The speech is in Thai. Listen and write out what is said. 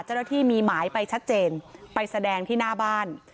เจ้าหน้าที่มีหมายไปชัดเจนไปแสดงที่หน้าบ้าน